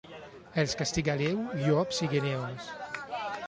Els de Castigaleu, llops i guineus.